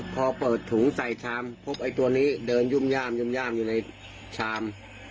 พอเปิดถุงใส่ชามพบไอตัวนี้เดินยุ่มย่ามยุ่มย่ามอยู่ในชาม